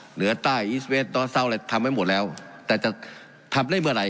เหนือใต้อีสเวสตอสเซาอะไรทำไว้หมดแล้วแต่จะทำได้เมื่อไหร